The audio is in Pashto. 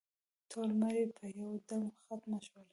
ټول مړي په یو دم ختم شول.